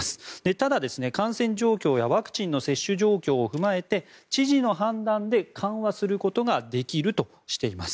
ただ、感染状況やワクチンの接種状況を踏まえて知事の判断で緩和することができるとしています。